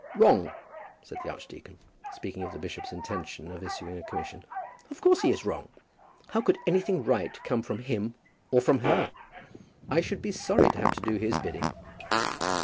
"Wrong!" said the archdeacon, speaking of the bishop's intention of issuing a commission "of course he is wrong. How could anything right come from him or from her? I should be sorry to have to do his bidding."